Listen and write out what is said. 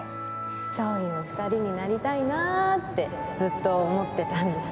そういう２人になりたいなってずっと思ってたんです。